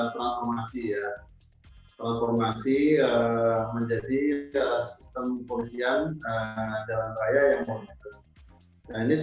terinformasi menjadi sistem kondisian jalan raya yang memiliki